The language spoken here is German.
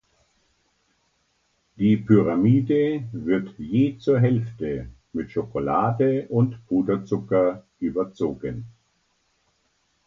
Die Pyramide wird je zur Hälfte mit Schokolade und Puderzucker überzogen.